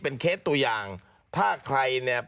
เคสตัวอย่างถ้าใครเนี่ย